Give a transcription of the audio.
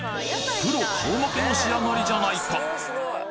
プロ顔負けの仕上がりじゃないか！